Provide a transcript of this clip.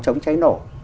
chống cháy nổ